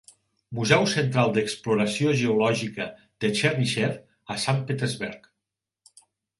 Museu Central d'Exploració Geològica de Chernyshev a Saint Petersberg.